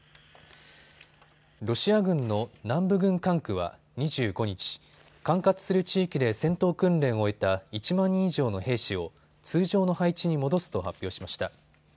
ロシア軍の南部軍管区は２５日、管轄する地域で戦闘訓練を終えた１万人以上の兵士を通常の配置に戻すと発表しました。